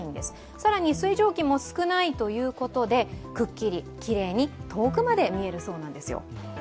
更に、水蒸気も少ないということでくっきりきれいに遠くまで見えるそうなんですよ。